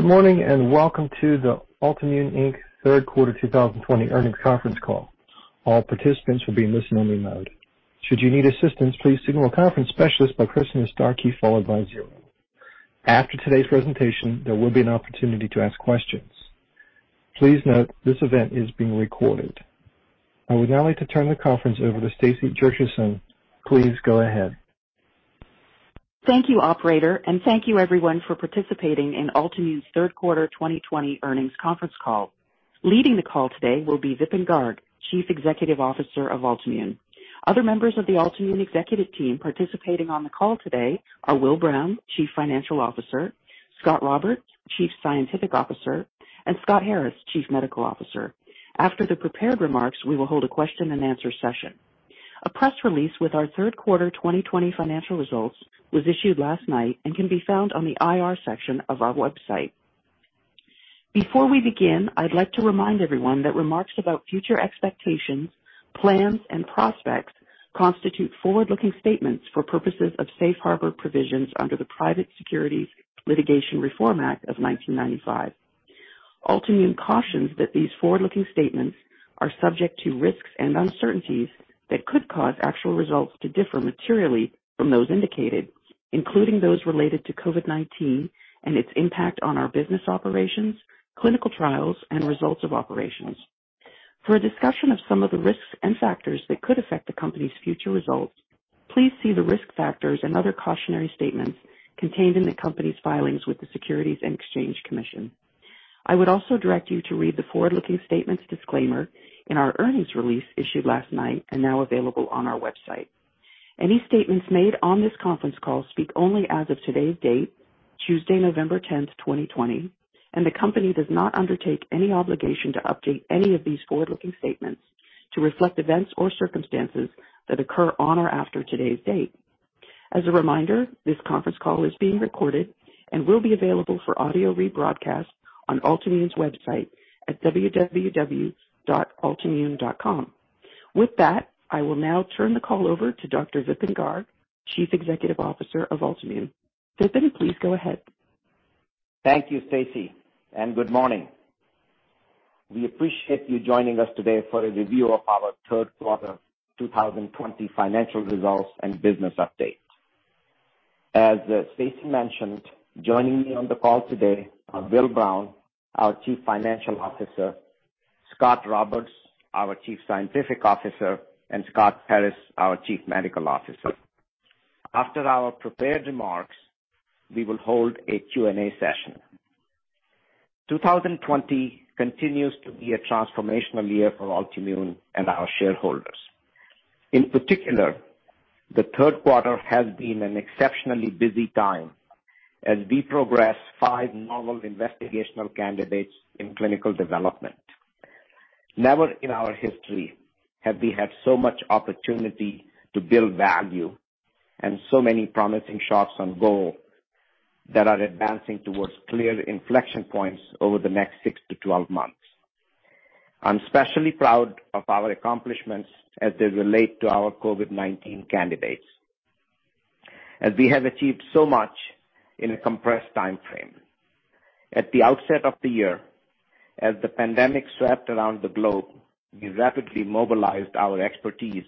Good morning, welcome to the Altimmune Inc. Third Quarter 2020 Earnings Conference Call. All participants will be in listen-only mode. Should you need assistance, please signal a conference specialist by pressing the star key followed by zero. After today's presentation, there will be an opportunity to ask questions. Please note this event is being recorded. I would now like to turn the conference over to Stacey Jurchison. Please go ahead. Thank you, operator, and thank you everyone for participating in Altimmune's third quarter 2020 earnings conference call. Leading the call today will be Vipin Garg, Chief Executive Officer of Altimmune. Other members of the Altimmune executive team participating on the call today are Will Brown, Chief Financial Officer, Scot Roberts, Chief Scientific Officer, and Scott Harris, Chief Medical Officer. After the prepared remarks, we will hold a question and answer session. A press release with our third quarter 2020 financial results was issued last night and can be found on the IR section of our website. Before we begin, I'd like to remind everyone that remarks about future expectations, plans, and prospects constitute forward-looking statements for purposes of safe harbor provisions under the Private Securities Litigation Reform Act of 1995. Altimmune cautions that these forward-looking statements are subject to risks and uncertainties that could cause actual results to differ materially from those indicated, including those related to COVID-19 and its impact on our business operations, clinical trials, and results of operations. For a discussion of some of the risks and factors that could affect the company's future results, please see the risk factors and other cautionary statements contained in the company's filings with the Securities and Exchange Commission. I would also direct you to read the forward-looking statements disclaimer in our earnings release issued last night and now available on our website. Any statements made on this conference call speak only as of today's date, Tuesday, November 10th, 2020, and the company does not undertake any obligation to update any of these forward-looking statements to reflect events or circumstances that occur on or after today's date. As a reminder, this conference call is being recorded and will be available for audio rebroadcast on Altimmune's website at www.altimmune.com. With that, I will now turn the call over to Dr. Vipin Garg, Chief Executive Officer of Altimmune. Vipin, please go ahead. Thank you, Stacey. Good morning. We appreciate you joining us today for a review of our third quarter 2020 financial results and business update. As Stacey mentioned, joining me on the call today are Will Brown, our Chief Financial Officer, Scot Roberts, our Chief Scientific Officer, and Scott Harris, our Chief Medical Officer. After our prepared remarks, we will hold a Q&A session. 2020 continues to be a transformational year for Altimmune and our shareholders. In particular, the third quarter has been an exceptionally busy time as we progress five novel investigational candidates in clinical development. Never in our history have we had so much opportunity to build value and so many promising shots on goal that are advancing towards clear inflection points over the next 6-12 months. I'm especially proud of our accomplishments as they relate to our COVID-19 candidates, as we have achieved so much in a compressed timeframe. At the outset of the year, as the pandemic swept around the globe, we rapidly mobilized our expertise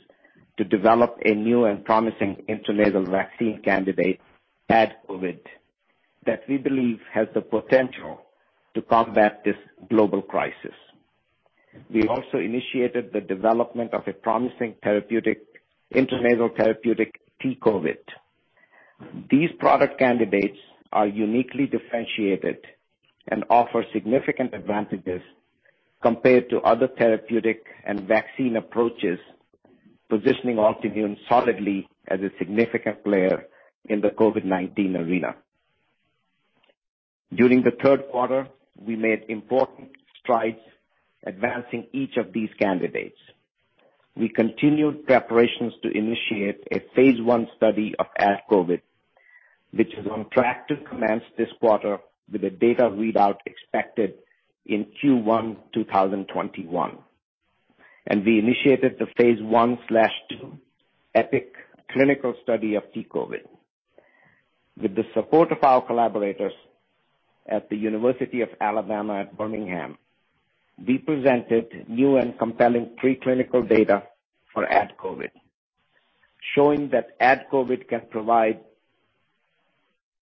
to develop a new and promising intranasal vaccine candidate, AdCOVID, that we believe has the potential to combat this global crisis. We also initiated the development of a promising intranasal therapeutic, T-COVID. These product candidates are uniquely differentiated and offer significant advantages compared to other therapeutic and vaccine approaches, positioning Altimmune solidly as a significant player in the COVID-19 arena. During the third quarter, we made important strides advancing each of these candidates. We continued preparations to initiate a phase I study of AdCOVID, which is on track to commence this quarter with a data readout expected in Q1 2021. We initiated the phase I/II EPIC clinical study of T-COVID. With the support of our collaborators at the University of Alabama at Birmingham, we presented new and compelling preclinical data for AdCOVID, showing that AdCOVID can provide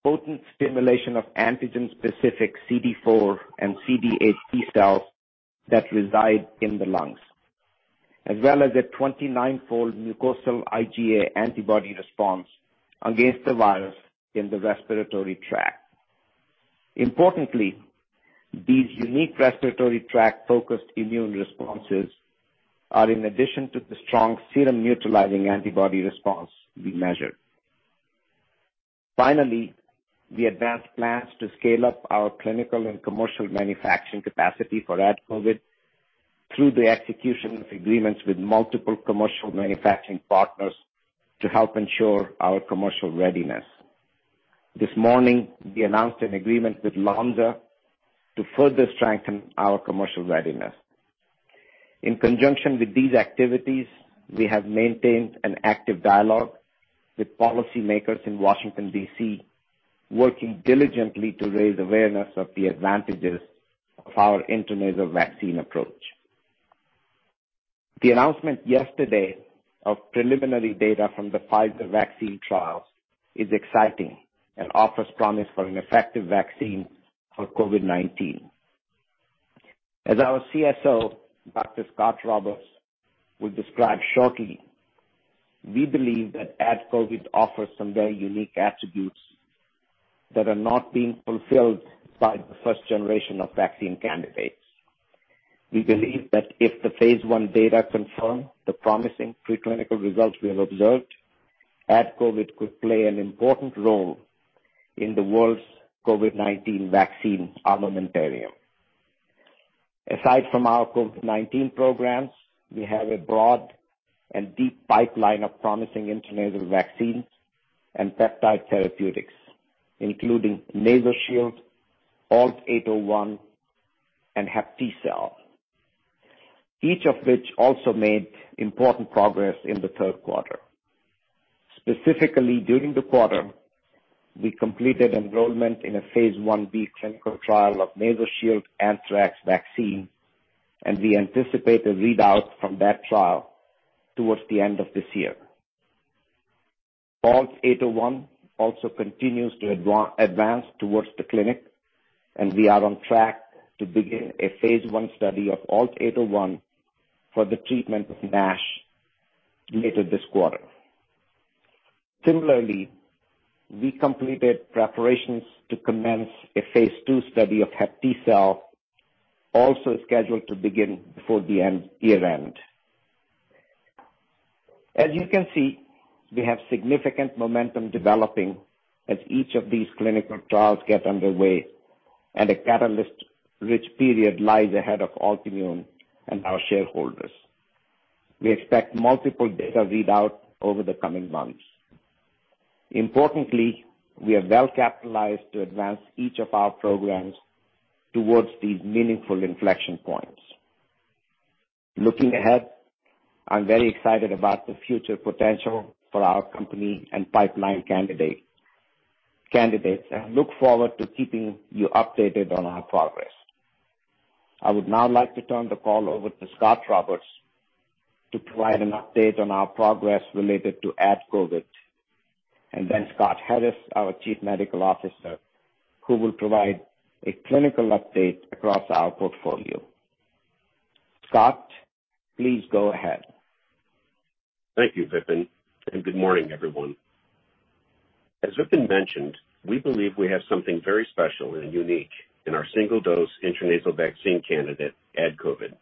potent stimulation of antigen-specific CD4 and CD8 T cells that reside in the lungs, as well as a 29-fold mucosal IgA antibody response against the virus in the respiratory tract. Importantly, these unique respiratory tract-focused immune responses are in addition to the strong serum-neutralizing antibody response we measured. Finally, we advanced plans to scale up our clinical and commercial manufacturing capacity for AdCOVID through the execution of agreements with multiple commercial manufacturing partners to help ensure our commercial readiness. This morning, we announced an agreement with Lonza to further strengthen our commercial readiness. In conjunction with these activities, we have maintained an active dialogue with policymakers in Washington, D.C., working diligently to raise awareness of the advantages of our intranasal vaccine approach. The announcement yesterday of preliminary data from the Pfizer vaccine trials is exciting and offers promise for an effective vaccine for COVID-19. As our CSO, Dr. Scot Roberts, will describe shortly, we believe that AdCOVID offers some very unique attributes that are not being fulfilled by the first generation of vaccine candidates. We believe that if the phase I data confirm the promising pre-clinical results we have observed, AdCOVID could play an important role in the world's COVID-19 vaccine armamentarium. Aside from our COVID-19 programs, we have a broad and deep pipeline of promising intranasal vaccines and peptide therapeutics, including NasoShield, ALT-801, and HepTcell, each of which also made important progress in the third quarter. Specifically, during the quarter, we completed enrollment in a phase I-B clinical trial of NasoShield anthrax vaccine. We anticipate a readout from that trial towards the end of this year. ALT-801 also continues to advance towards the clinic. We are on track to begin a phase I study of ALT-801 for the treatment of NASH later this quarter. Similarly, we completed preparations to commence a phase II study of HepTcell, also scheduled to begin before the year-end. As you can see, we have significant momentum developing as each of these clinical trials get underway. A catalyst-rich period lies ahead of Altimmune and our shareholders. We expect multiple data readouts over the coming months. Importantly, we are well-capitalized to advance each of our programs towards these meaningful inflection points. Looking ahead, I'm very excited about the future potential for our company and pipeline candidates, and look forward to keeping you updated on our progress. I would now like to turn the call over to Scot Roberts to provide an update on our progress related to AdCOVID, and then Scott Harris, our Chief Medical Officer, who will provide a clinical update across our portfolio. Scot, please go ahead. Thank you, Vipin. Good morning, everyone. As Vipin mentioned, we believe we have something very special and unique in our single-dose intranasal vaccine candidate, AdCOVID,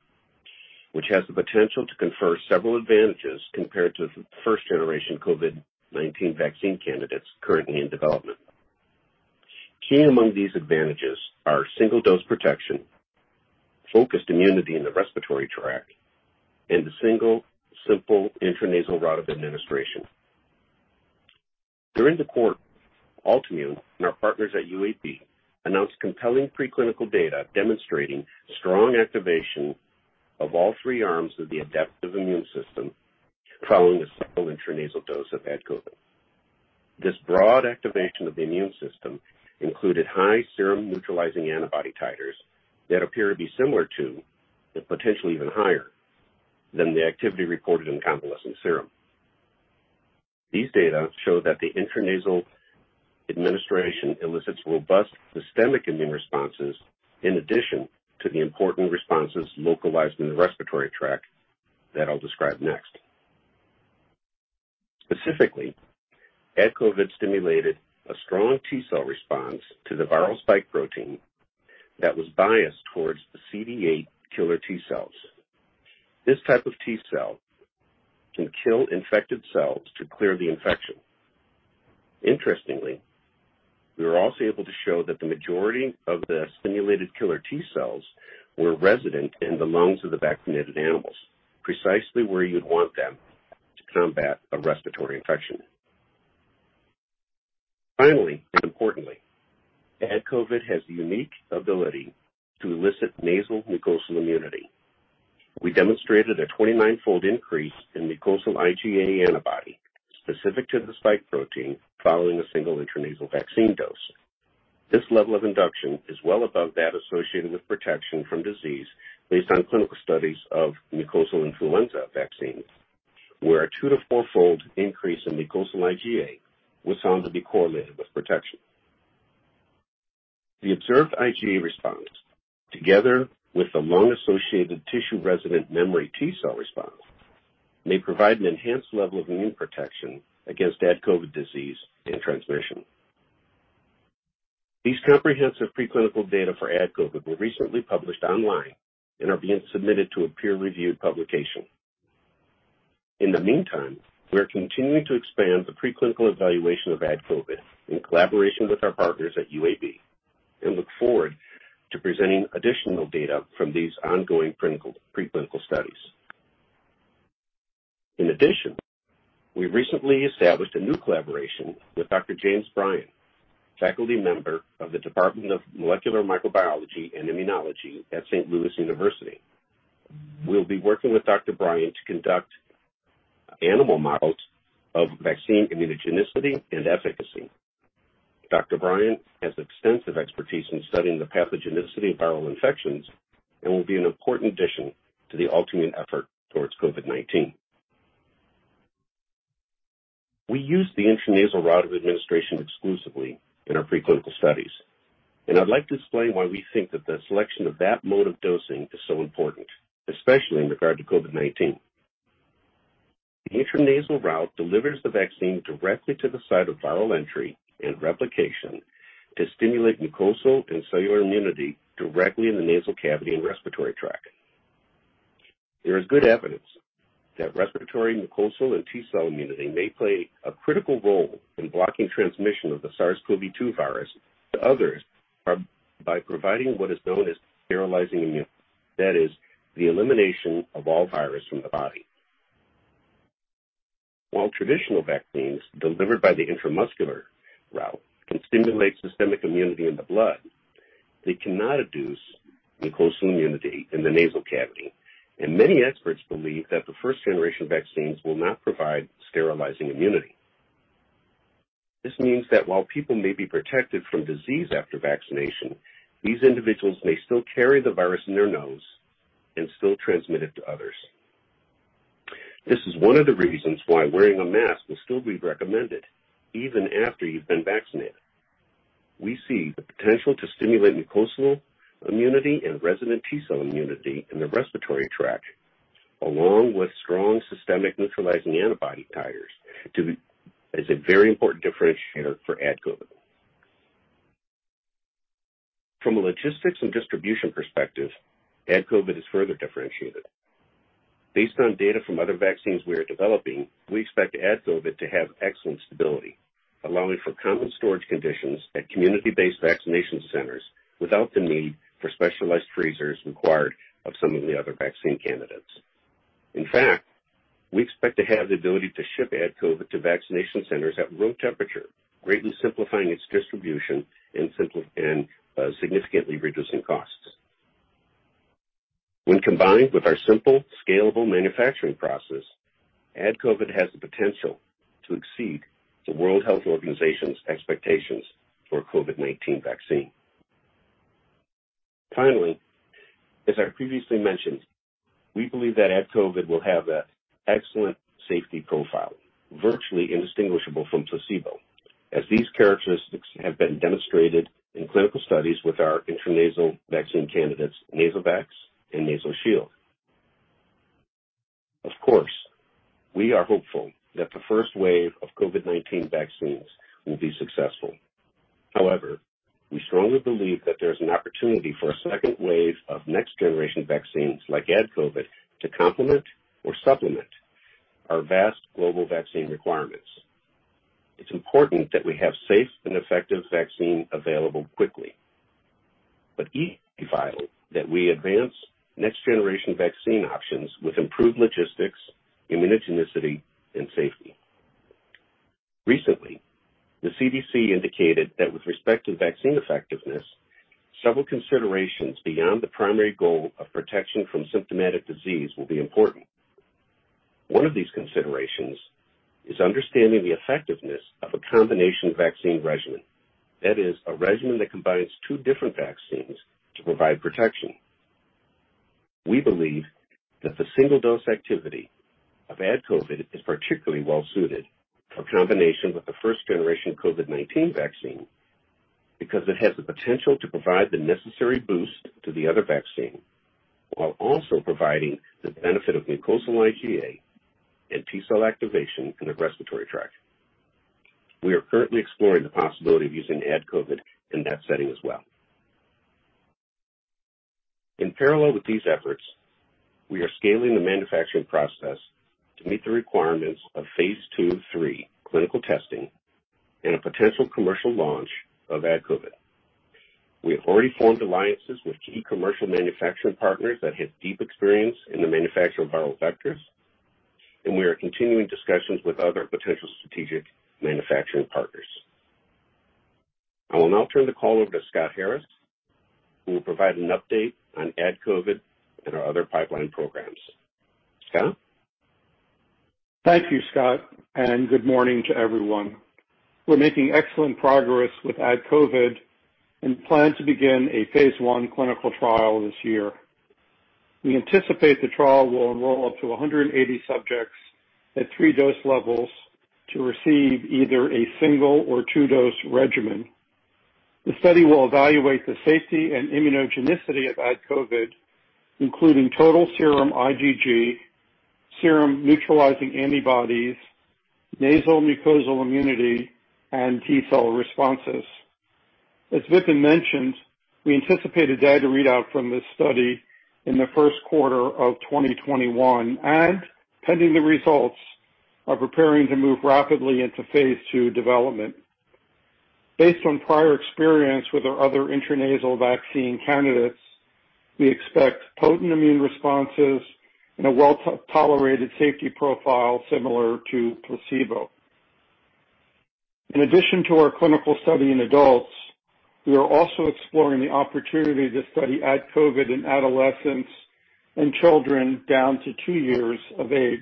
which has the potential to confer several advantages compared to first-generation COVID-19 vaccine candidates currently in development. Key among these advantages are single-dose protection, focused immunity in the respiratory tract, and the single, simple intranasal route of administration. During the quarter, Altimmune and our partners at UAB announced compelling preclinical data demonstrating strong activation of all three arms of the adaptive immune system following a single intranasal dose of AdCOVID. This broad activation of the immune system included high serum neutralizing antibody titers that appear to be similar to, if potentially even higher than, the activity reported in convalescent serum. These data show that the intranasal administration elicits robust systemic immune responses in addition to the important responses localized in the respiratory tract that I'll describe next. Specifically, AdCOVID stimulated a strong T-cell response to the viral spike protein that was biased towards the CD8 killer T-cells. This type of T-cell can kill infected cells to clear the infection. Interestingly, we were also able to show that the majority of the stimulated killer T-cells were resident in the lungs of the vaccinated animals, precisely where you'd want them to combat a respiratory infection. Importantly, AdCOVID has the unique ability to elicit nasal mucosal immunity. We demonstrated a 29-fold increase in mucosal IgA antibody specific to the spike protein following a single intranasal vaccine dose. This level of induction is well above that associated with protection from disease based on clinical studies of mucosal influenza vaccines, where a two-four-fold increase in mucosal IgA was found to be correlated with protection. The observed IgA response, together with the lung-associated tissue resident memory T-cell response, may provide an enhanced level of immune protection against AdCOVID disease and transmission. These comprehensive preclinical data for AdCOVID were recently published online and are being submitted to a peer-reviewed publication. In the meantime, we are continuing to expand the preclinical evaluation of AdCOVID in collaboration with our partners at UAB and look forward to presenting additional data from these ongoing preclinical studies. In addition, we recently established a new collaboration with Dr. James Brien, faculty member of the Department of Molecular Microbiology and Immunology at Saint Louis University. We'll be working with Dr. Brien to conduct animal models of vaccine immunogenicity and efficacy. Dr. Brien has extensive expertise in studying the pathogenicity of viral infections and will be an important addition to the Altimmune effort towards COVID-19. We use the intranasal route of administration exclusively in our pre-clinical studies. I'd like to explain why we think that the selection of that mode of dosing is so important, especially in regard to COVID-19. The intranasal route delivers the vaccine directly to the site of viral entry and replication to stimulate mucosal and cellular immunity directly in the nasal cavity and respiratory tract. There is good evidence that respiratory mucosal and T-cell immunity may play a critical role in blocking transmission of the SARS-CoV-2 virus to others by providing what is known as sterilizing immunity. That is, the elimination of all virus from the body. While traditional vaccines delivered by the intramuscular route can stimulate systemic immunity in the blood, they cannot induce mucosal immunity in the nasal cavity, and many experts believe that the first generation of vaccines will not provide sterilizing immunity. This means that while people may be protected from disease after vaccination, these individuals may still carry the virus in their nose and still transmit it to others. This is one of the reasons why wearing a mask will still be recommended even after you've been vaccinated. We see the potential to stimulate mucosal immunity and resident T-cell immunity in the respiratory tract, along with strong systemic neutralizing antibody titers as a very important differentiator for AdCOVID. From a logistics and distribution perspective, AdCOVID is further differentiated. Based on data from other vaccines we are developing, we expect AdCOVID to have excellent stability, allowing for common storage conditions at community-based vaccination centers without the need for specialized freezers required of some of the other vaccine candidates. In fact, we expect to have the ability to ship AdCOVID to vaccination centers at room temperature, greatly simplifying its distribution and significantly reducing costs. When combined with our simple, scalable manufacturing process, AdCOVID has the potential to exceed the World Health Organization's expectations for COVID-19 vaccine. Finally, as I previously mentioned, we believe that AdCOVID will have an excellent safety profile, virtually indistinguishable from placebo, as these characteristics have been demonstrated in clinical studies with our intranasal vaccine candidates, NasoVAX and NasoShield. Of course, we are hopeful that the first wave of COVID-19 vaccines will be successful. We strongly believe that there's an opportunity for a second wave of next generation vaccines like AdCOVID to complement or supplement our vast global vaccine requirements. It's important that we have safe and effective vaccine available quickly. It's vital that we advance next generation vaccine options with improved logistics, immunogenicity, and safety. Recently, the CDC indicated that with respect to vaccine effectiveness, several considerations beyond the primary goal of protection from symptomatic disease will be important. One of these considerations is understanding the effectiveness of a combination vaccine regimen. That is, a regimen that combines two different vaccines to provide protection. We believe that the single-dose activity of AdCOVID is particularly well-suited for combination with the first-generation COVID-19 vaccine because it has the potential to provide the necessary boost to the other vaccine while also providing the benefit of mucosal IgA and T-cell activation in the respiratory tract. We are currently exploring the possibility of using AdCOVID in that setting as well. In parallel with these efforts, we are scaling the manufacturing process to meet the requirements of phase II and III clinical testing and a potential commercial launch of AdCOVID. We have already formed alliances with key commercial manufacturing partners that have deep experience in the manufacture of viral vectors, and we are continuing discussions with other potential strategic manufacturing partners. I will now turn the call over to Scott Harris, who will provide an update on AdCOVID and our other pipeline programs. Scott? Thank you, Scot, good morning to everyone. We're making excellent progress with AdCOVID and plan to begin a phase I clinical trial this year. We anticipate the trial will enroll up to 180 subjects at three-dose levels to receive either a single or two-dose regimen. The study will evaluate the safety and immunogenicity of AdCOVID, including total serum IgG, serum neutralizing antibodies, nasal mucosal immunity, and T-cell responses. As Vipin mentioned, we anticipate a data readout from this study in the first quarter of 2021, and pending the results, are preparing to move rapidly into phase II development. Based on prior experience with our other intranasal vaccine candidates, we expect potent immune responses and a well-tolerated safety profile similar to placebo. In addition to our clinical study in adults, we are also exploring the opportunity to study AdCOVID in adolescents and children down to two years of age.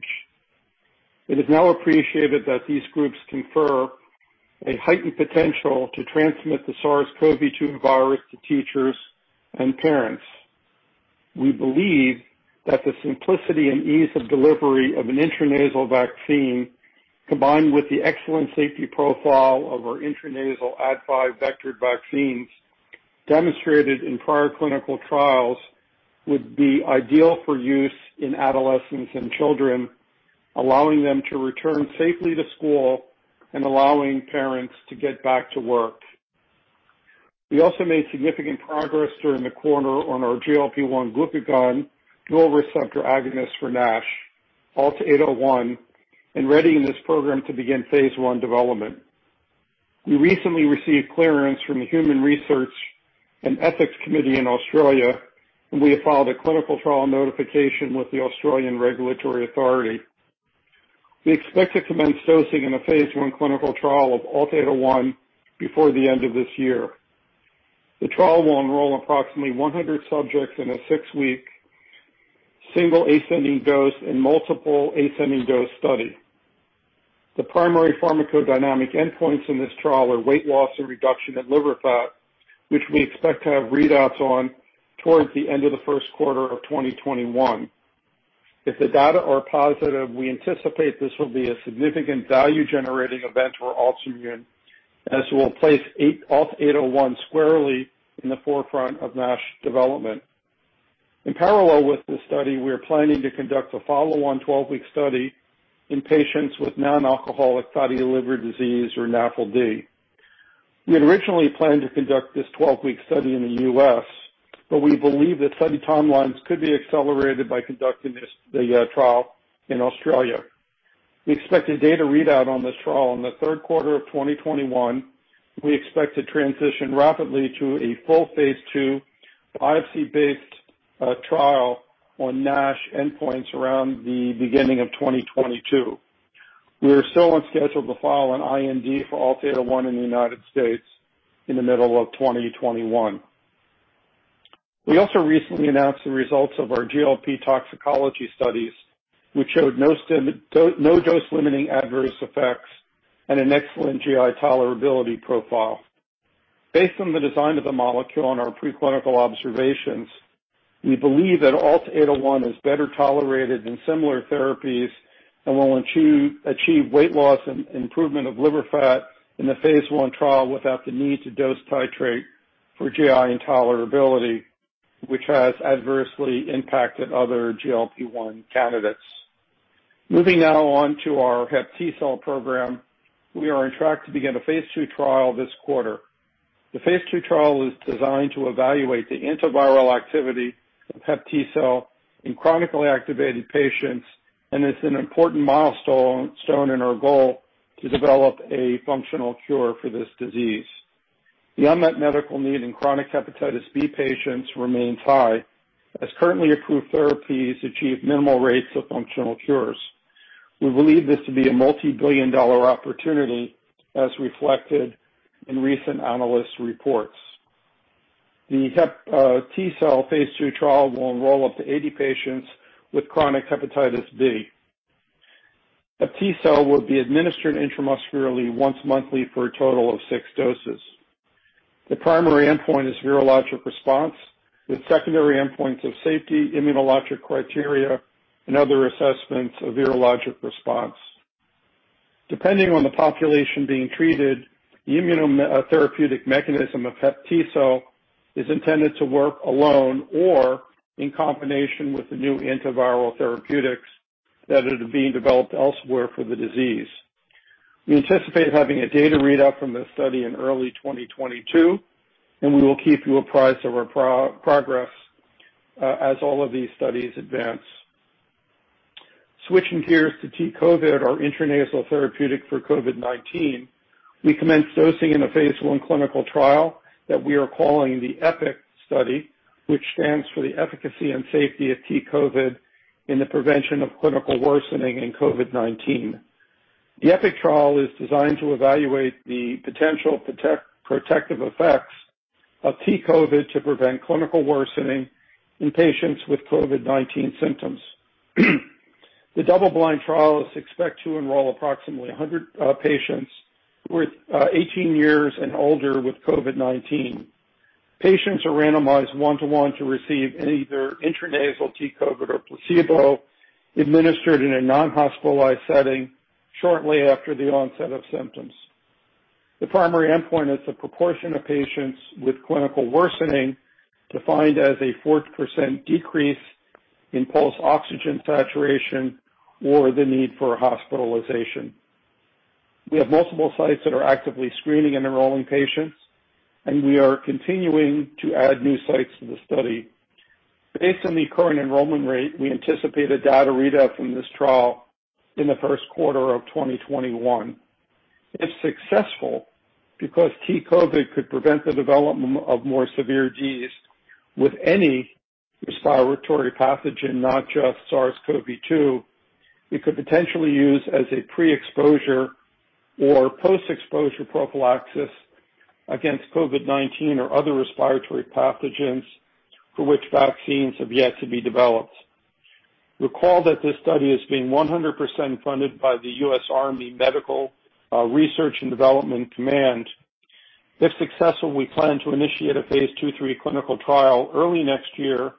It is now appreciated that these groups confer a heightened potential to transmit the SARS-CoV-2 virus to teachers and parents. We believe that the simplicity and ease of delivery of an intranasal vaccine, combined with the excellent safety profile of our intranasal Ad5 vectored vaccines demonstrated in prior clinical trials, would be ideal for use in adolescents and children, allowing them to return safely to school and allowing parents to get back to work. We also made significant progress during the quarter on our GLP-1 glucagon dual receptor agonist for NASH, ALT-801, and readying this program to begin phase I development. We recently received clearance from the Human Research Ethics Committee in Australia, and we have filed a clinical trial notification with the Therapeutic Goods Administration. We expect to commence dosing in a phase I clinical trial of ALT-801 before the end of this year. The trial will enroll approximately 100 subjects in a six-week single ascending dose and multiple ascending dose study. The primary pharmacodynamic endpoints in this trial are weight loss and reduction in liver fat, which we expect to have readouts on towards the end of the first quarter of 2021. If the data are positive, we anticipate this will be a significant value-generating event for Altimmune, as it will place ALT-801 squarely in the forefront of NASH development. In parallel with this study, we are planning to conduct a follow-on 12-week study in patients with non-alcoholic fatty liver disease or NAFLD. We had originally planned to conduct this 12-week study in the U.S., but we believe that study timelines could be accelerated by conducting the trial in Australia. We expect a data readout on this trial in the third quarter of 2021. We expect to transition rapidly to a full phase II biopsy-based trial on NASH endpoints around the beginning of 2022. We are still on schedule to file an IND for ALT-801 in the U.S. in the middle of 2021. We also recently announced the results of our GLP toxicology studies, which showed no dose-limiting adverse effects and an excellent GI tolerability profile. Based on the design of the molecule and our pre-clinical observations, we believe that ALT-801 is better tolerated than similar therapies and will achieve weight loss and improvement of liver fat in the phase I trial without the need to dose titrate for GI intolerability, which has adversely impacted other GLP-1 candidates. Moving now on to our HepTcell program. We are on track to begin a phase II trial this quarter. The phase II trial is designed to evaluate the antiviral activity of HepTcell in chronically activated patients and is an important milestone in our goal to develop a functional cure for this disease. The unmet medical need in chronic hepatitis B patients remains high, as currently approved therapies achieve minimal rates of functional cures. We believe this to be a multibillion-dollar opportunity, as reflected in recent analyst reports. The HepTcell phase II trial will enroll up to 80 patients with chronic hepatitis B. HepTcell will be administered intramuscularly once monthly for a total of six doses. The primary endpoint is virologic response with secondary endpoints of safety, immunologic criteria, and other assessments of virologic response. Depending on the population being treated, the immunotherapeutic mechanism of HepTcell is intended to work alone or in combination with the new antiviral therapeutics that are being developed elsewhere for the disease. We anticipate having a data readout from this study in early 2022, and we will keep you apprised of our progress as all of these studies advance. Switching gears to T-COVID, our intranasal therapeutic for COVID-19. We commenced dosing in a phase I clinical trial that we are calling the EPIC study, which stands for the efficacy and safety of T-COVID in the prevention of clinical worsening in COVID-19. The EPIC trial is designed to evaluate the potential protective effects of T-COVID to prevent clinical worsening in patients with COVID-19 symptoms. The double-blind trial is expect to enroll approximately 100 patients who are 18 years and older with COVID-19. Patients are randomized one-to-one to receive either intranasal T-COVID or placebo administered in a non-hospitalized setting shortly after the onset of symptoms. The primary endpoint is the proportion of patients with clinical worsening defined as a 4% decrease in pulse oxygen saturation or the need for hospitalization. We have multiple sites that are actively screening and enrolling patients, we are continuing to add new sites to the study. Based on the current enrollment rate, we anticipate a data readout from this trial in the first quarter of 2021. If successful, because T-COVID could prevent the development of more severe disease with any respiratory pathogen, not just SARS-CoV-2, we could potentially use as a pre-exposure or post-exposure prophylaxis against COVID-19 or other respiratory pathogens for which vaccines have yet to be developed. Recall that this study is being 100% funded by the U.S. Army Medical Research and Development Command. If successful, we plan to initiate a phase II/III clinical trial early next year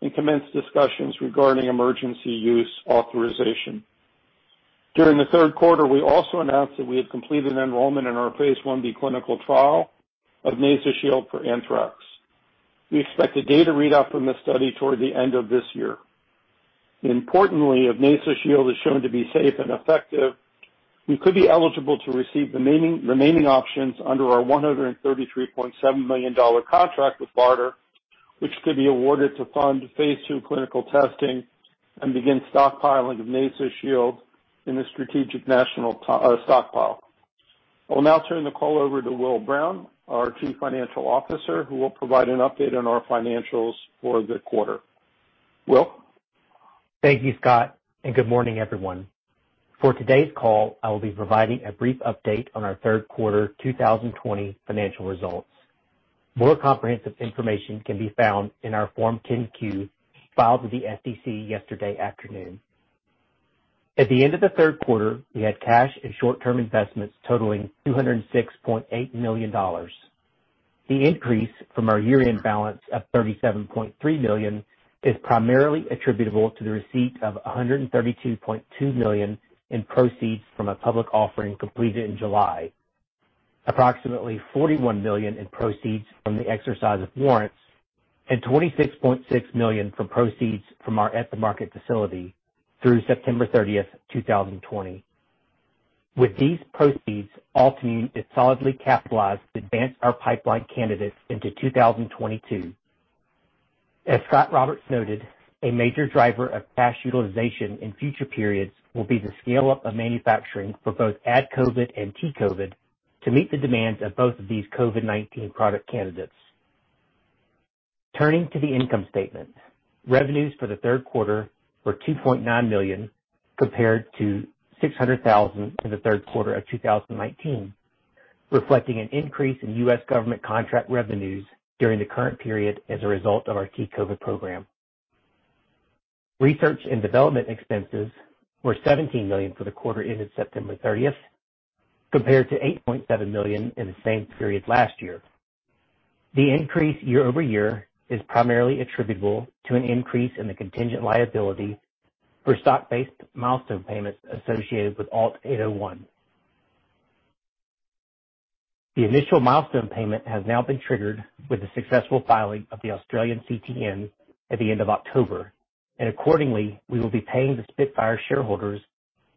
and commence discussions regarding emergency use authorization. During the third quarter, we also announced that we had completed enrollment in our phase I-B clinical trial of NasoShield for anthrax. We expect a data readout from this study toward the end of this year. Importantly, if NasoShield is shown to be safe and effective, we could be eligible to receive remaining options under our $133.7 million contract with BARDA, which could be awarded to fund phase II clinical testing and begin stockpiling of NasoShield in the strategic national stockpile. I will now turn the call over to Will Brown, our Chief Financial Officer, who will provide an update on our financials for the quarter. Will? Thank you, Scott, and good morning, everyone. For today's call, I will be providing a brief update on our third quarter 2020 financial results. More comprehensive information can be found in our Form 10-Q, filed with the SEC yesterday afternoon. At the end of the third quarter, we had cash and short-term investments totaling $206.8 million. The increase from our year-end balance of $37.3 million is primarily attributable to the receipt of $132.2 million in proceeds from a public offering completed in July. Approximately $41 million in proceeds from the exercise of warrants and $26.6 million from proceeds from our at-the-market facility through September 30, 2020. With these proceeds, Altimmune is solidly capitalized to advance our pipeline candidates into 2022. As Scot Roberts noted, a major driver of cash utilization in future periods will be the scale-up of manufacturing for both AdCOVID and T-COVID to meet the demands of both of these COVID-19 product candidates. Turning to the income statement. Revenues for the third quarter were $2.9 million compared to $600,000 in the third quarter of 2019, reflecting an increase in U.S. government contract revenues during the current period as a result of our T-COVID program. Research and development expenses were $17 million for the quarter ended September 30th, compared to $8.7 million in the same period last year. The increase year-over-year is primarily attributable to an increase in the contingent liability for stock-based milestone payments associated with ALT-801. The initial milestone payment has now been triggered with the successful filing of the Australian CTN at the end of October, and accordingly, we will be paying the Spitfire shareholders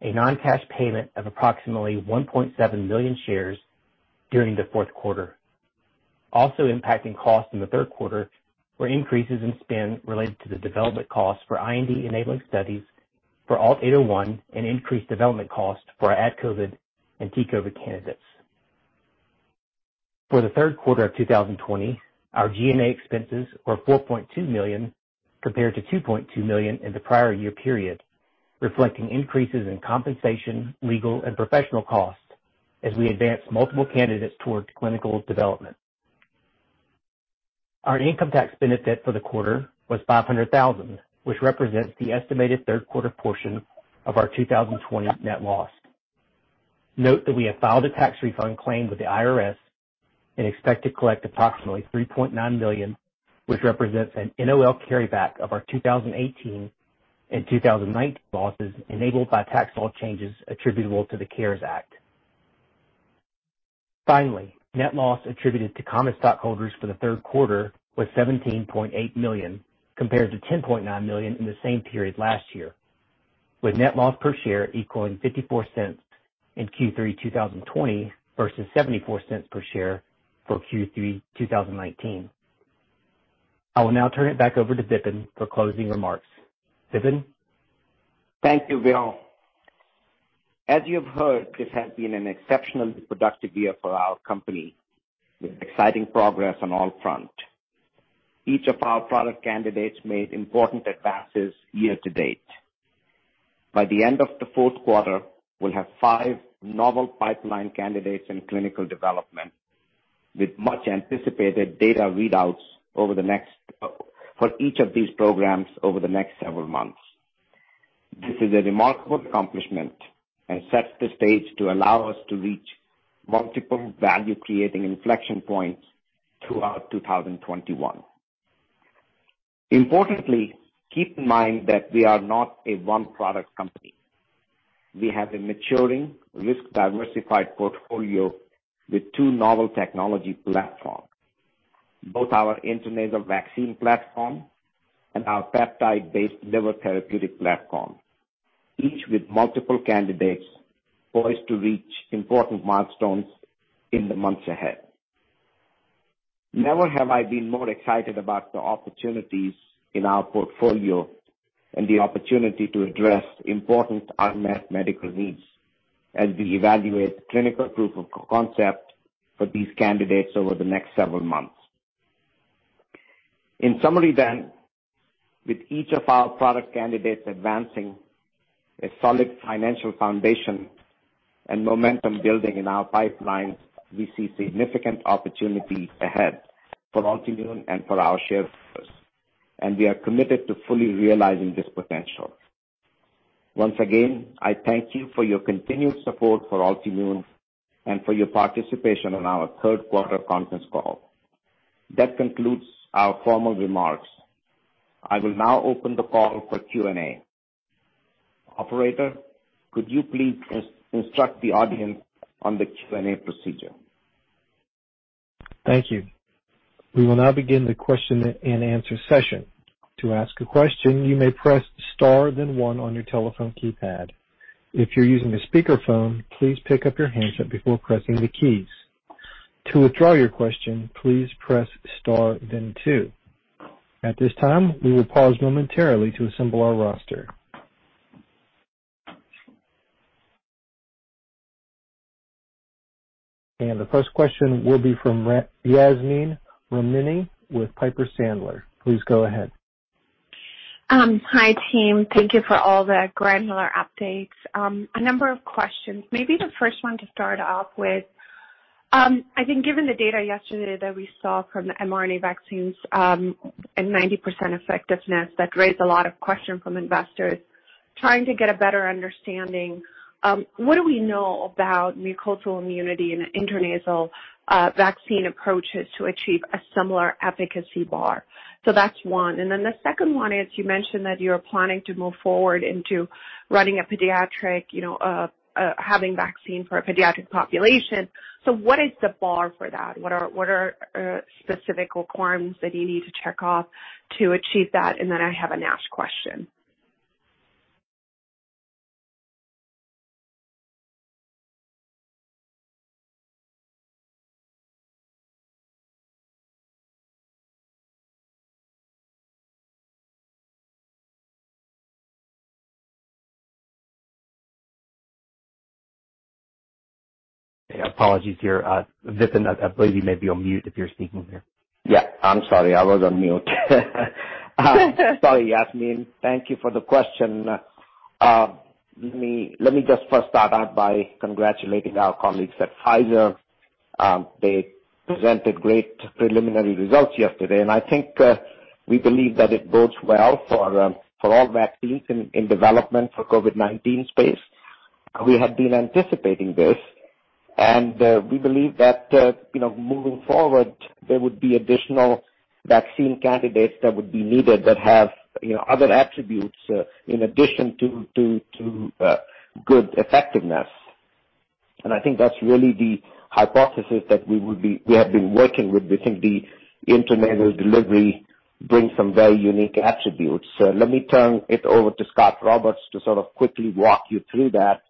a non-cash payment of approximately 1.7 million shares during the fourth quarter. Also impacting costs in the third quarter were increases in spend related to the development costs for IND enabling studies for ALT-801 and increased development cost for our AdCOVID and T-COVID candidates. For the third quarter of 2020, our G&A expenses were $4.2 million compared to $2.2 million in the prior year period, reflecting increases in compensation, legal, and professional costs as we advance multiple candidates towards clinical development. Our income tax benefit for the quarter was $500,000, which represents the estimated third quarter portion of our 2020 net loss. Note that we have filed a tax refund claim with the IRS and expect to collect approximately $3.9 million, which represents an NOL carryback of our 2018 and 2019 losses enabled by tax law changes attributable to the CARES Act. Finally, net loss attributed to common stockholders for the third quarter was $17.8 million compared to $10.9 million in the same period last year, with net loss per share equaling $0.54 in Q3 2020 versus $0.74 per share for Q3 2019. I will now turn it back over to Vipin for closing remarks. Vipin? Thank you, Will. As you have heard, this has been an exceptionally productive year for our company with exciting progress on all front. Each of our product candidates made important advances year to date. By the end of the fourth quarter, we'll have five novel pipeline candidates in clinical development with much anticipated data readouts for each of these programs over the next several months. This is a remarkable accomplishment and sets the stage to allow us to reach multiple value-creating inflection points throughout 2021. Importantly, keep in mind that we are not a one-product company. We have a maturing risk-diversified portfolio with two novel technology platforms. Both our intranasal vaccine platform and our peptide-based liver therapeutic platform, each with multiple candidates poised to reach important milestones in the months ahead. Never have I been more excited about the opportunities in our portfolio and the opportunity to address important unmet medical needs as we evaluate clinical proof of concept for these candidates over the next several months. In summary, with each of our product candidates advancing a solid financial foundation and momentum building in our pipelines, we see significant opportunities ahead for Altimmune and for our shareholders, and we are committed to fully realizing this potential. Once again, I thank you for your continued support for Altimmune and for your participation in our third quarter conference call. That concludes our formal remarks. I will now open the call for Q&A. Operator, could you please instruct the audience on the Q&A procedure? Thank you. We will now begin the question and answer session. To ask a question, you may press star then one on your telephone keypad. If you're using a speakerphone, please pick up your handset before pressing the keys. To withdraw your question, please press star then two. At this time, we will pause momentarily to assemble our roster. The first question will be from Yasmeen Rahimi with Piper Sandler. Please go ahead. Hi, team. Thank you for all the granular updates. A number of questions. Maybe the first one to start off with, I think given the data yesterday that we saw from the mRNA vaccines and 90% effectiveness, that raised a lot of questions from investors. Trying to get a better understanding, what do we know about mucosal immunity and intranasal vaccine approaches to achieve a similar efficacy bar? That's one. The second one is, you mentioned that you're planning to move forward into having vaccine for a pediatric population. What is the bar for that? What are specific requirements that you need to check off to achieve that? I have a NASH question. Apologies here. Vipin, I believe you may be on mute if you're speaking here. Yeah. I'm sorry. I was on mute. Sorry, Yasmeen. Thank you for the question. Let me just first start out by congratulating our colleagues at Pfizer. They presented great preliminary results yesterday. I think we believe that it bodes well for all vaccines in development for COVID-19 space. We have been anticipating this. We believe that moving forward, there would be additional vaccine candidates that would be needed that have other attributes in addition to good effectiveness. I think that's really the hypothesis that we have been working with. We think the intranasal delivery brings some very unique attributes. Let me turn it over to Scot Roberts to sort of quickly walk you through that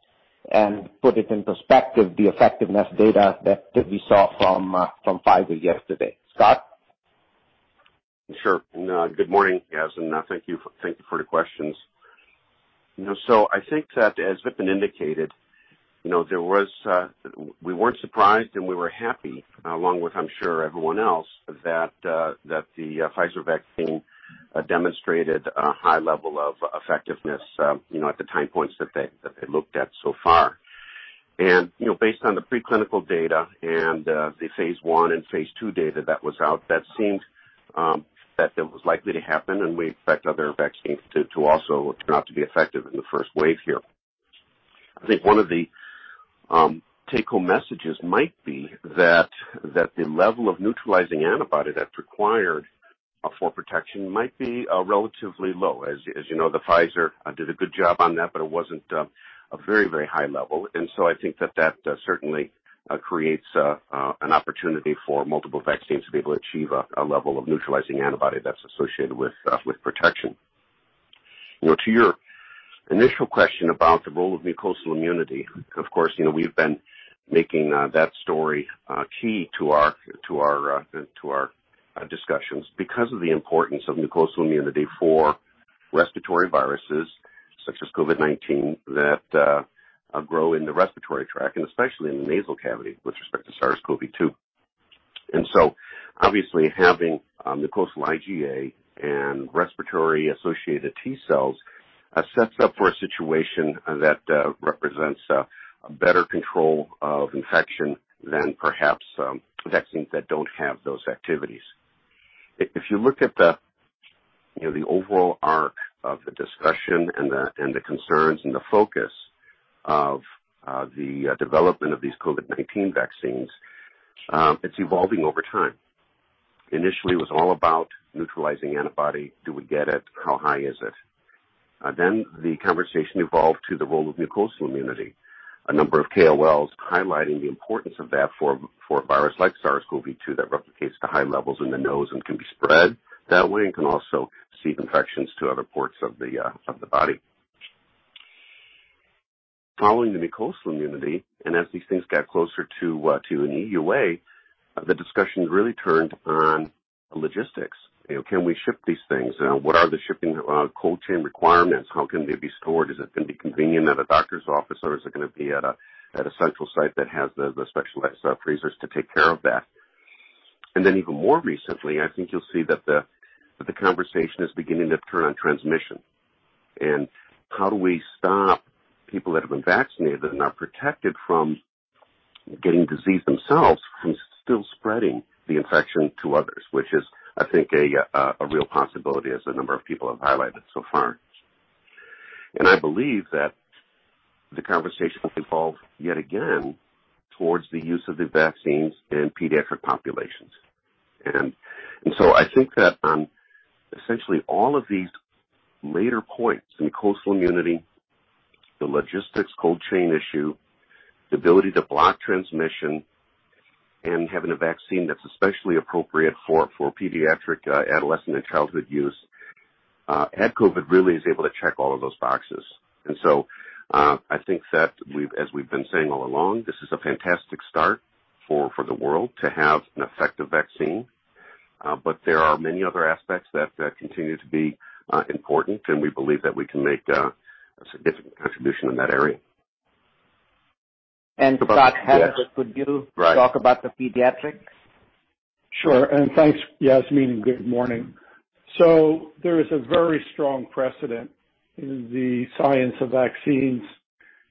and put it in perspective, the effectiveness data that we saw from Pfizer yesterday. Scot? Sure. Good morning, Yasmeen. Thank you for the questions. I think that as Vipin indicated, we weren't surprised, and we were happy, along with I'm sure everyone else, that the Pfizer vaccine demonstrated a high level of effectiveness at the time points that they looked at so far. Based on the preclinical data and the phase I and phase II data that was out, that seemed that it was likely to happen, and we expect other vaccines to also turn out to be effective in the first wave here. I think one of the take-home messages might be that the level of neutralizing antibody that's required for protection might be relatively low. As you know, the Pfizer did a good job on that, but it wasn't a very high level. I think that certainly creates an opportunity for multiple vaccines to be able to achieve a level of neutralizing antibody that's associated with protection. To your initial question about the role of mucosal immunity, of course, we've been making that story key to our discussions because of the importance of mucosal immunity for respiratory viruses such as COVID-19 that grow in the respiratory tract, and especially in the nasal cavity with respect to SARS-CoV-2. Obviously, having mucosal IgA and respiratory-associated T cells sets up for a situation that represents a better control of infection than perhaps vaccines that don't have those activities. If you look at the overall arc of the discussion and the concerns and the focus of the development of these COVID-19 vaccines, it's evolving over time. Initially, it was all about neutralizing antibody. Do we get it? How high is it? The conversation evolved to the role of mucosal immunity. A number of KOLs highlighting the importance of that for a virus like SARS-CoV-2 that replicates to high levels in the nose and can be spread that way, and can also seed infections to other parts of the body. Following the mucosal immunity, and as these things got closer to an EUA, the discussion really turned on logistics. Can we ship these things? What are the shipping cold chain requirements? How can they be stored? Is it going to be convenient at a doctor's office, or is it going to be at a central site that has the specialized freezers to take care of that? Even more recently, I think you'll see that the conversation is beginning to turn on transmission, and how do we stop people that have been vaccinated and are protected from getting disease themselves from still spreading the infection to others, which is, I think, a real possibility as a number of people have highlighted so far. I believe that the conversation will evolve yet again towards the use of the vaccines in pediatric populations. I think that essentially all of these later points, mucosal immunity, the logistics cold chain issue, the ability to block transmission, and having a vaccine that's especially appropriate for pediatric, adolescent, and childhood use, AdCOVID really is able to check all of those boxes. I think that as we've been saying all along, this is a fantastic start for the world to have an effective vaccine. There are many other aspects that continue to be important, and we believe that we can make a significant contribution in that area. Scott, could you talk about the pediatrics? Sure. Thanks, Yasmeen, and good morning. There is a very strong precedent in the science of vaccines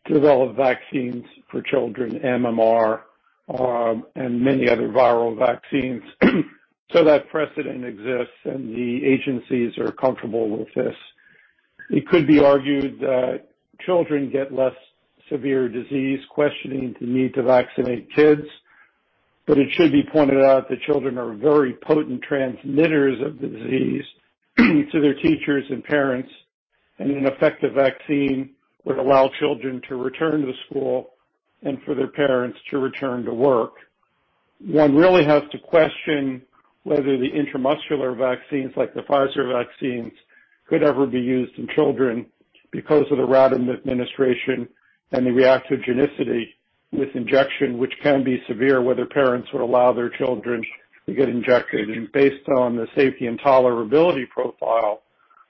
to develop vaccines for children, MMR, and many other viral vaccines. That precedent exists, and the agencies are comfortable with this. It could be argued that children get less severe disease, questioning the need to vaccinate kids. It should be pointed out that children are very potent transmitters of the disease to their teachers and parents, and an effective vaccine would allow children to return to school and for their parents to return to work. One really has to question whether the intramuscular vaccines, like the Pfizer vaccines, could ever be used in children because of the route of administration and the reactogenicity with injection, which can be severe, whether parents would allow their children to get injected. Based on the safety and tolerability profile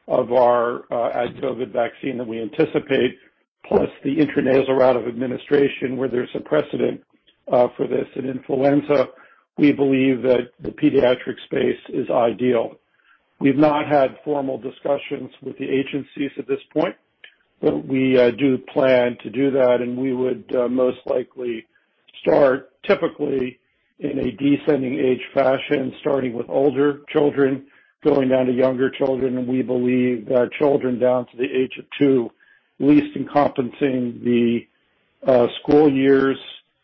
of our AdCOVID vaccine that we anticipate, plus the intranasal route of administration, where there's a precedent for this in influenza, we believe that the pediatric space is ideal. We've not had formal discussions with the agencies at this point, but we do plan to do that, and we would most likely start typically in a descending age fashion, starting with older children, going down to younger children. We believe that children down to the age of two, at least encompassing the school years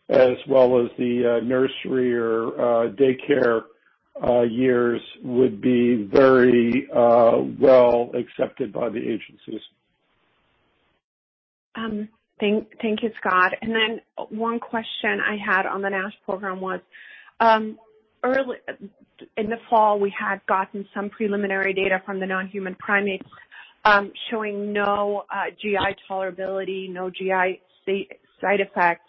as well as the nursery or daycare years, would be very well accepted by the agencies. Thank you, Scott. One question I had on the NASH program was, early in the fall, we had gotten some preliminary data from the non-human primates showing no GI tolerability, no GI side effects.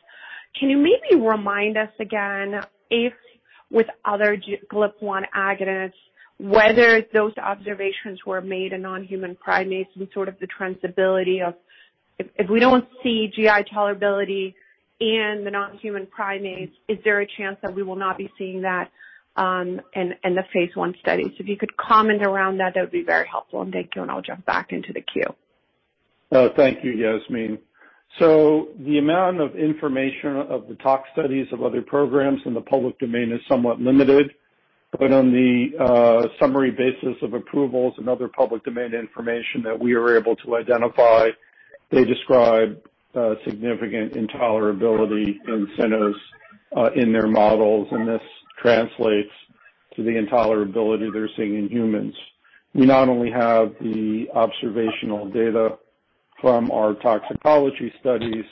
Can you maybe remind us again if with other GLP-1 agonists, whether those observations were made in non-human primates and sort of the transferability of if we don't see GI tolerability in the non-human primates, is there a chance that we will not be seeing that in the phase I studies? If you could comment around that would be very helpful. Thank you, and I'll jump back into the queue. Thank you, Yasmeen. The amount of information of the tox studies of other programs in the public domain is somewhat limited. On the summary basis of approvals and other public domain information that we are able to identify, they describe significant intolerability in cynos in their models, and this translates to the intolerability they're seeing in humans. We not only have the observational data from our toxicology studies,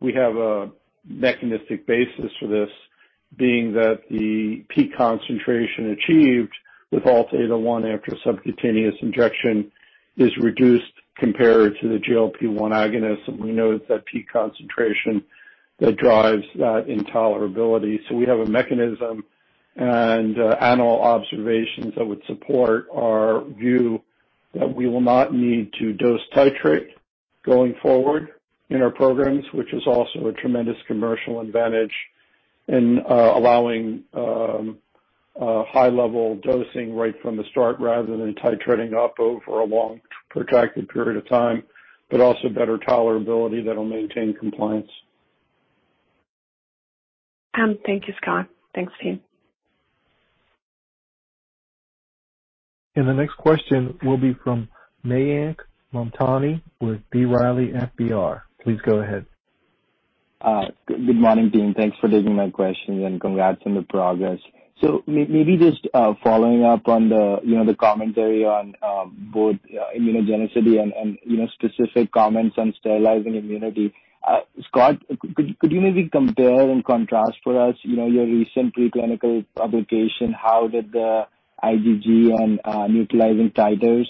we have a mechanistic basis for this being that the peak concentration achieved with ALT-801 after subcutaneous injection is reduced compared to the GLP-1 agonist, and we know it's that peak concentration that drives that intolerability. We have a mechanism and animal observations that would support our view that we will not need to dose titrate going forward in our programs, which is also a tremendous commercial advantage in allowing high level dosing right from the start rather than titrating up over a long, protracted period of time, but also better tolerability that will maintain compliance. Thank you, Scott. Thanks, team. The next question will be from Mayank Mamtani with B. Riley FBR. Please go ahead. Good morning, team. Thanks for taking my questions, and congrats on the progress. Maybe just following up on the commentary on both immunogenicity and specific comments on sterilizing immunity. Scot, could you maybe compare and contrast for us your recent preclinical publication? How did the IgG on neutralizing titers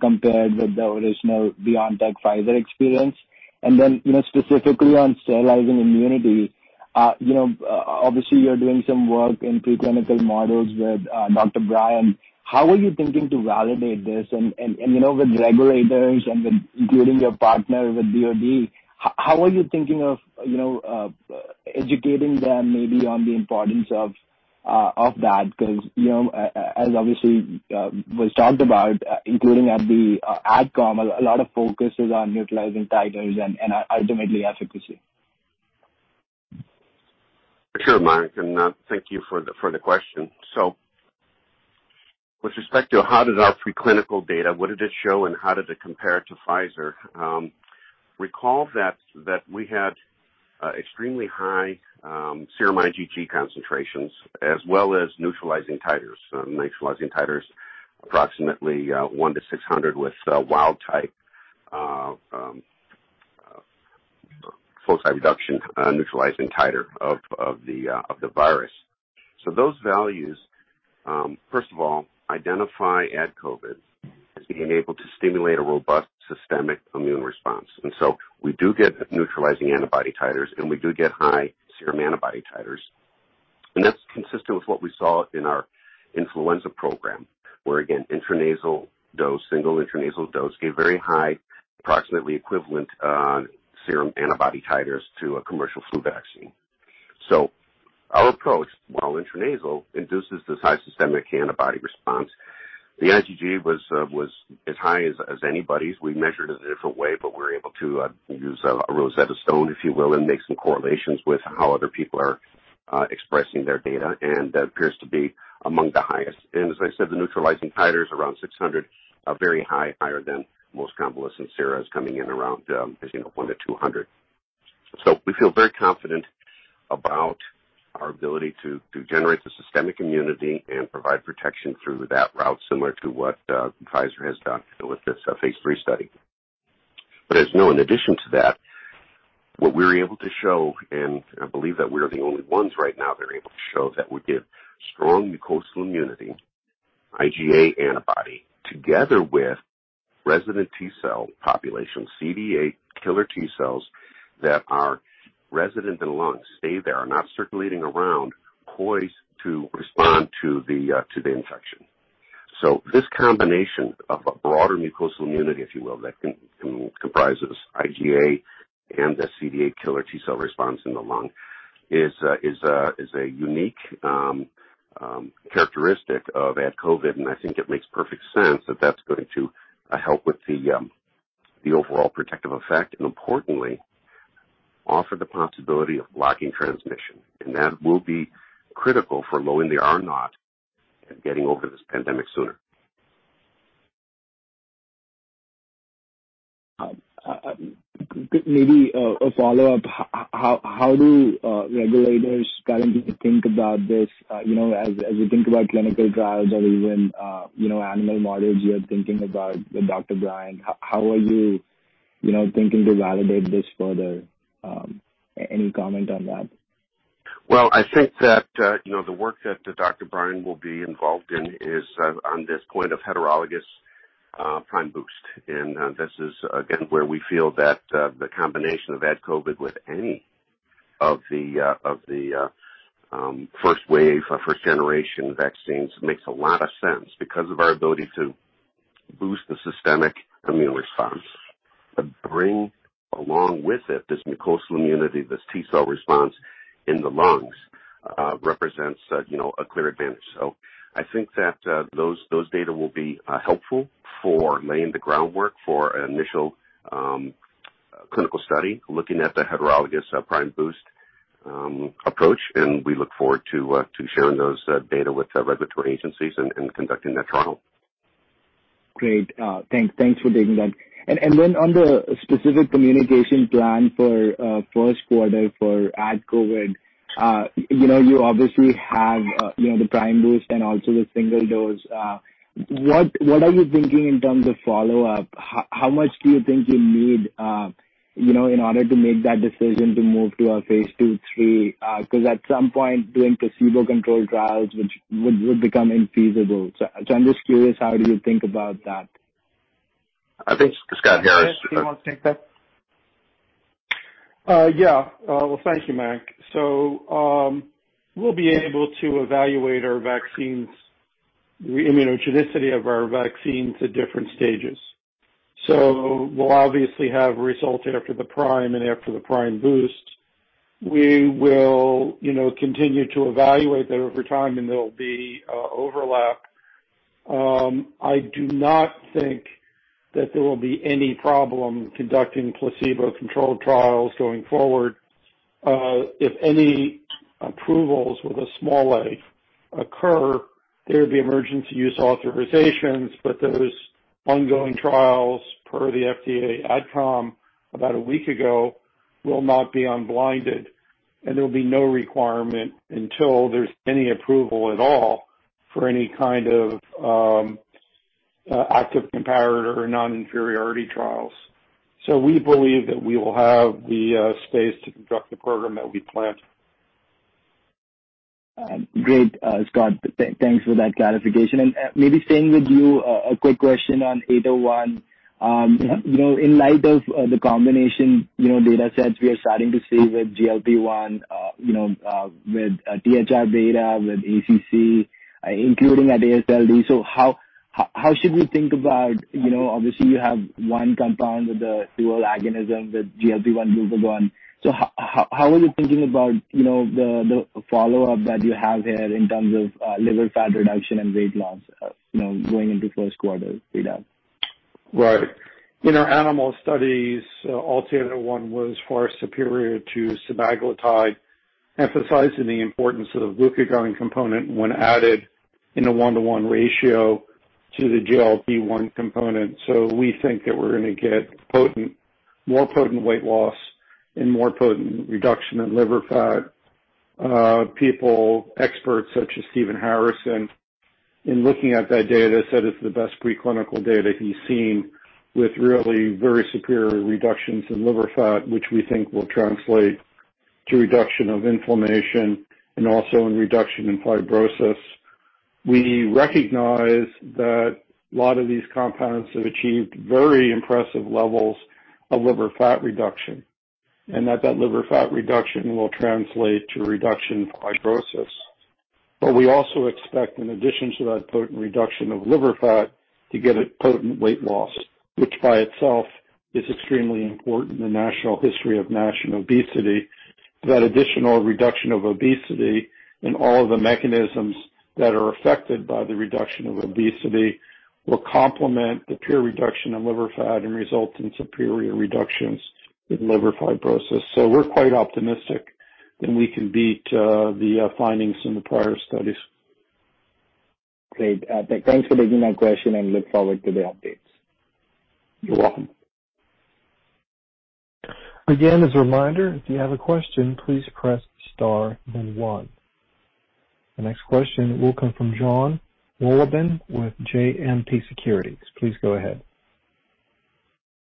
compare with the original BioNTech-Pfizer experience? Then specifically on sterilizing immunity, obviously you're doing some work in preclinical models with Dr. Brien. How are you thinking to validate this? With regulators and including your partner with DoD, how are you thinking of educating them maybe on the importance of that? Because as obviously was talked about including at the AdCom, a lot of focus is on neutralizing titers and ultimately efficacy. Sure, Mayank, thank you for the question. With respect to how did our preclinical data, what did it show, and how did it compare to Pfizer? Recall that we had extremely high serum IgG concentrations as well as neutralizing titers. Neutralizing titers approximately 1-600 with wild type, foci reduction, neutralizing titer of the virus. Those values, first of all, identify AdCOVID as being able to stimulate a robust systemic immune response. We do get neutralizing antibody titers, we do get high serum antibody titers. That's consistent with what we saw in our influenza program, where again, intranasal dose, single intranasal dose gave very high, approximately equivalent serum antibody titers to a commercial flu vaccine. Our approach, while intranasal, induces this high systemic antibody response. The IgG was as high as anybody's. We measured it in a different way, we were able to use a Rosetta Stone, if you will, and make some correlations with how other people are expressing their data. That appears to be among the highest. As I said, the neutralizing titer is around 600, very high, higher than most convalescent sera is coming in around 100-200. We feel very confident about our ability to generate the systemic immunity and provide protection through that route, similar to what Pfizer has done with this phase III study. As you know, in addition to that, what we're able to show, I believe that we're the only ones right now that are able to show that we give strong mucosal immunity, IgA antibody, together with resident T cell population, CD8 killer T cells that are resident in the lungs, stay there, are not circulating around, poised to respond to the infection. This combination of a broader mucosal immunity, if you will, that comprises IgA and the CD8 killer T cell response in the lung is a unique characteristic of AdCOVID, I think it makes perfect sense that that's going to help with the overall protective effect and importantly, offer the possibility of blocking transmission. That will be critical for lowering the R naught and getting over this pandemic sooner. Maybe a follow-up. How do regulators currently think about this? As we think about clinical trials or even animal models, you are thinking about Dr. Brien. How are you thinking to validate this further? Any comment on that? I think that the work that Dr. Brien will be involved in is on this point of heterologous prime boost. This is again, where we feel that the combination of AdCOVID with any of the first-wave or first-generation vaccines makes a lot of sense because of our ability to boost the systemic immune response, but bring along with it this mucosal immunity. This T-cell response in the lungs represents a clear advantage. I think that those data will be helpful for laying the groundwork for an initial clinical study looking at the heterologous prime boost approach, and we look forward to sharing those data with regulatory agencies and conducting that trial. Great. Thanks for taking that. On the specific communication plan for first quarter for AdCOVID, you obviously have the prime boost and also the single dose. What are you thinking in terms of follow-up? How much do you think you need in order to make that decision to move to a phase II, III? Because at some point, doing placebo-controlled trials would become infeasible. I'm just curious, how do you think about that? I think Scott Harris. Scott, do you want to take that? Yeah. Well, thank you, Mayank. We'll be able to evaluate our vaccine's immunogenicity of our vaccine to different stages. We'll obviously have results after the prime and after the prime boost. We will continue to evaluate that over time, and there'll be overlap. I do not think that there will be any problem conducting placebo-controlled trials going forward. If any approvals with a small a occur, there would be emergency use authorizations, but those ongoing trials per the FDA AdCom about a week ago will not be unblinded, and there will be no requirement until there's any approval at all for any kind of active comparator or non-inferiority trials. We believe that we will have the space to conduct the program that we planned. Great, Scott. Thanks for that clarification. Maybe staying with you, a quick question on ALT-801. In light of the combination datasets we are starting to see with GLP-1, with THR data, with ACC, including at AASLD. How should we think about, obviously you have one compound with the dual agonism with GLP-1, glucagon. How are you thinking about the follow-up that you have here in terms of liver fat reduction and weight loss going into first quarter data? In our animal studies, ALT-801 was far superior to semaglutide, emphasizing the importance of the glucagon component when added in a one-to-one ratio to the GLP-1 component. We think that we're going to get more potent weight loss and more potent reduction in liver fat. People, experts such as Stephen Harrison, in looking at that data, said it's the best preclinical data he's seen with really very superior reductions in liver fat, which we think will translate to reduction of inflammation and also in reduction in fibrosis. We recognize that a lot of these compounds have achieved very impressive levels of liver fat reduction, and that liver fat reduction will translate to reduction in fibrosis. We also expect, in addition to that potent reduction of liver fat, to get a potent weight loss, which by itself is extremely important in the natural history of NASH obesity. That additional reduction of obesity and all of the mechanisms that are affected by the reduction of obesity will complement the pure reduction of liver fat and result in superior reductions with liver fibrosis. We're quite optimistic that we can beat the findings in the prior studies. Great. Thanks for taking my question and look forward to the updates. You're welcome. Again, as a reminder, if you have a question, please press star then one. The next question will come from Jon Wolleben with JMP Securities. Please go ahead.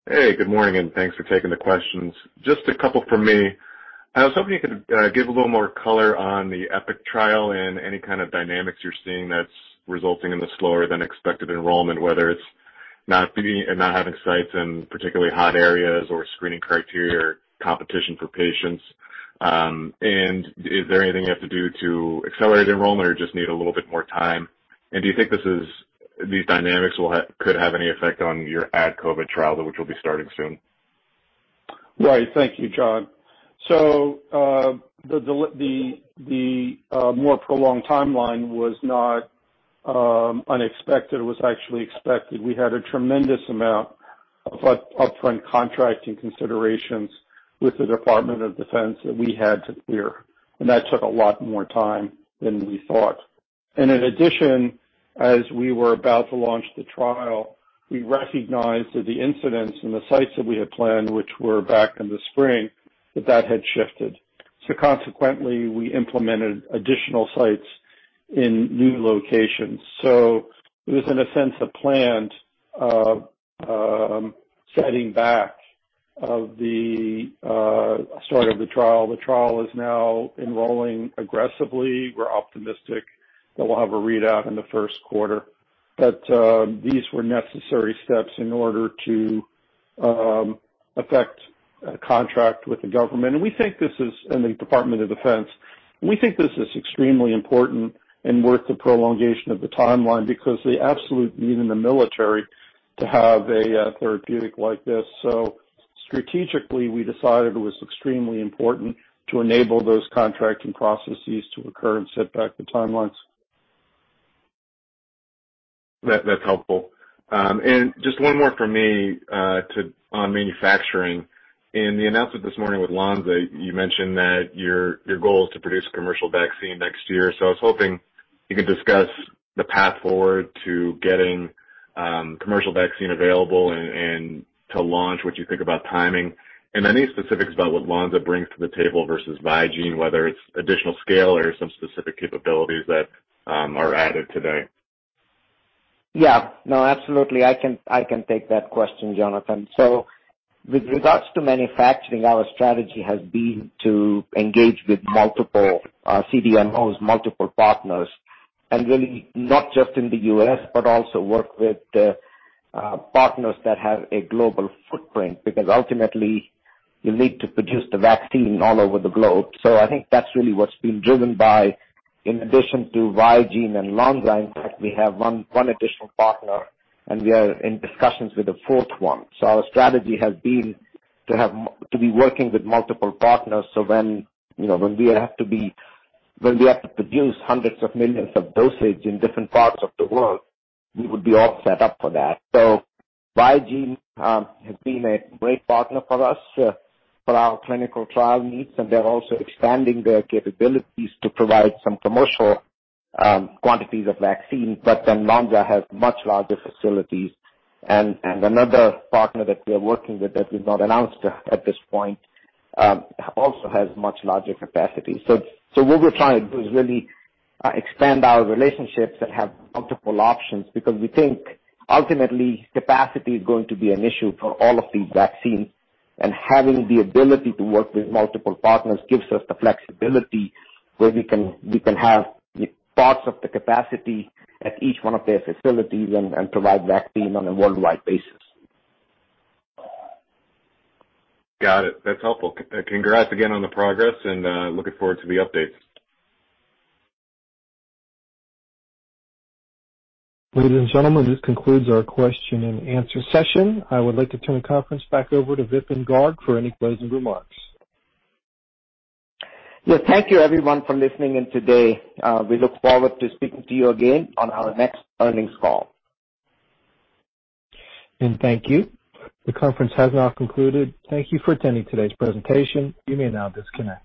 Hey, good morning, and thanks for taking the questions. Just a couple from me. I was hoping you could give a little more color on the EPIC trial and any kind of dynamics you're seeing that's resulting in the slower than expected enrollment, whether it's not having sites in particularly hot areas or screening criteria or competition for patients. Is there anything you have to do to accelerate enrollment or just need a little bit more time? Do you think these dynamics could have any effect on your AdCOVID trial, which will be starting soon? Right. Thank you, Jon. The more prolonged timeline was not unexpected, was actually expected. We had a tremendous amount of upfront contracting considerations with the Department of Defense that we had to clear. That took a lot more time than we thought. In addition, as we were about to launch the trial, we recognized that the incidence and the sites that we had planned, which were back in the spring, that had shifted. Consequently, we implemented additional sites in new locations. It was, in a sense, a planned setting back of the start of the trial. The trial is now enrolling aggressively. We're optimistic that we'll have a readout in the first quarter. These were necessary steps in order to affect a contract with the government. We think this is in the Department of Defense. We think this is extremely important and worth the prolongation of the timeline because the absolute need in the military to have a therapeutic like this. Strategically, we decided it was extremely important to enable those contracting processes to occur and set back the timelines. That's helpful. Just one more from me on manufacturing. In the announcement this morning with Lonza, you mentioned that your goal is to produce a commercial vaccine next year. I was hoping you could discuss the path forward to getting commercial vaccine available and to launch what you think about timing and any specifics about what Lonza brings to the table versus Vigene, whether it's additional scale or some specific capabilities that are added today. Yeah. No, absolutely. I can take that question, Jonathan. With regards to manufacturing, our strategy has been to engage with multiple CDMOs, multiple partners, and really not just in the US, but also work with partners that have a global footprint, because ultimately you need to produce the vaccine all over the globe. I think that's really what's been driven by, in addition to Vigene and Lonza. In fact, we have one additional partner, and we are in discussions with a fourth one. Our strategy has been to be working with multiple partners, so when we have to produce hundreds of millions of dosage in different parts of the world, we would be all set up for that. Vigene has been a great partner for us for our clinical trial needs, and they're also expanding their capabilities to provide some commercial quantities of vaccine. Lonza has much larger facilities. Another partner that we are working with that we've not announced at this point also has much larger capacity. What we're trying to do is really expand our relationships and have multiple options because we think ultimately capacity is going to be an issue for all of these vaccines. Having the ability to work with multiple partners gives us the flexibility where we can have parts of the capacity at each one of their facilities and provide vaccine on a worldwide basis. Got it. That's helpful. Congrats again on the progress and looking forward to the updates. Ladies and gentlemen, this concludes our question and answer session. I would like to turn the conference back over to Vipin Garg for any closing remarks. Thank you everyone for listening in today. We look forward to speaking to you again on our next earnings call. Thank you. The conference has now concluded. Thank you for attending today's presentation. You may now disconnect.